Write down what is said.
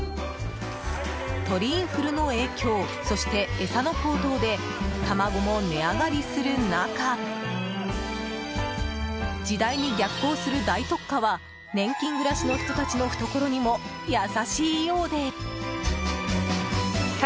鳥インフルの影響そして餌の高騰で卵も値上がりする中時代に逆行する大特価は年金暮らしの人たちの懐にも優しいようで。